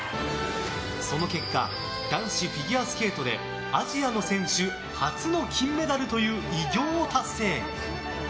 その結果男子フィギュアスケートでアジアの選手初の金メダルという偉業を達成。